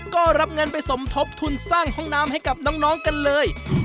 ก็รับเงินไปสมทบทุนสร้างห้องน้ำให้กับน้องกันเลย